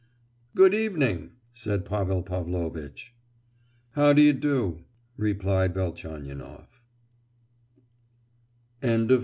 "Good evening," said Pavel Pavlovitch. "How d'ye do?" replied Velchaninoff.